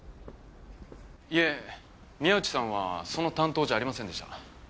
いえ宮内さんはその担当じゃありませんでした。